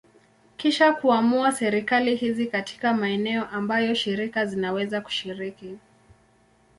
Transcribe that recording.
Kisha kuamua serikali hizi katika maeneo ambayo shirika zinaweza kushiriki.